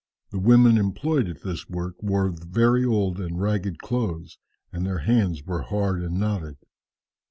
The women employed at this work wore very old and ragged clothes and their hands were hard and knotted."